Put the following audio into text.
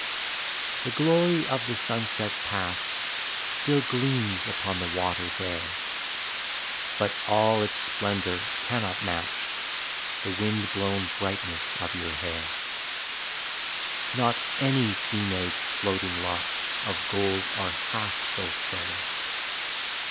The glory of the sunset past Still gleams upon the water there, But all its splendor cannot match The wind blown brightness of your hair ; Not any sea maid's floating locks Of gold are half so fair.